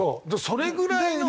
それぐらいの。